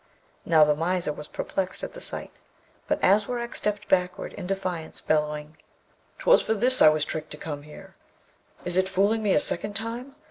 Now, the miser was perplexed at the sight; but Aswarak stepped backward in defiance, bellowing, ''Twas for this I was tricked to come here! Is 't fooling me a second time?